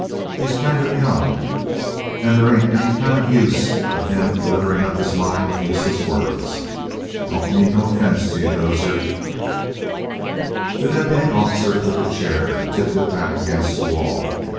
He's kind of young, and they ain't any kind of use of him litterin' up his mind with useless words. Don't mean no offense to you, Dozier." The deputy officer took a chair and tipped it back against the wall.